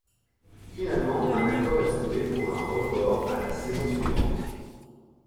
Finalement, un accord est trouvé pour un report à la saison suivante.